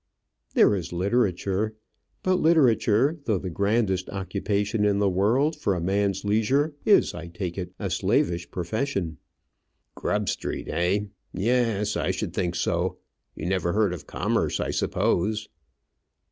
"There is literature. But literature, though the grandest occupation in the world for a man's leisure, is, I take it, a slavish profession." "Grub Street, eh? Yes, I should think so. You never heard of commerce, I suppose?"